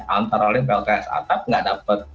antara lain plts atap nggak dapat